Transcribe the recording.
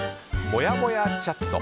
もやもやチャット。